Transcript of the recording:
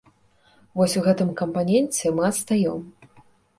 Вось у гэтым кампаненце мы адстаём.